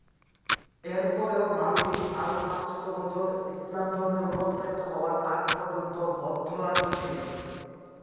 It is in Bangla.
এরপরেও মালদ্বীপ আরও পাঁচশত বছর, ইসলাম ধর্মে রুপান্তরিত হওয়ার আগ পর্যন্ত, বৌদ্ধ রাজ্য ছিল।